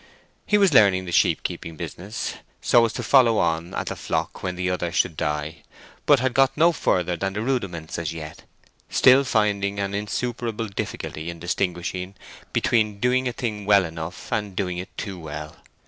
He was learning the sheep keeping business, so as to follow on at the flock when the other should die, but had got no further than the rudiments as yet—still finding an insuperable difficulty in distinguishing between doing a thing well enough and doing it too well.